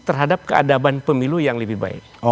terhadap keadaban pemilu yang lebih baik